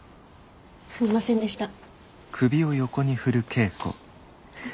すみませんでした。